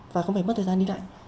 và không phải mất thời gian đi lại